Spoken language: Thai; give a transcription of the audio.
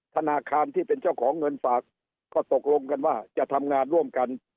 ธนาคารที่เป็นเจ้าของเงินฝากก็ตกลงกันว่าจะทำงานร่วมกัน